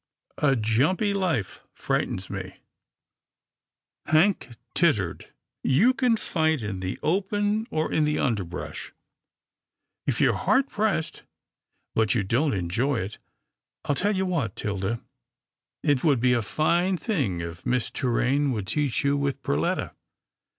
A jumpy life frightens me." 336 'TILDA JANE'S ORPHANS Hank tittered. " You can fight, in the open or in the underbrush, if you're hard pressed, but you don't enjoy it. I'll tell you what, 'Tilda, it would be a fine thing if Miss Torraine would teach you with Perletta.